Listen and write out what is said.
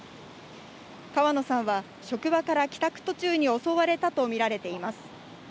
川野さんは職場から帰宅途中に襲われたとみられています。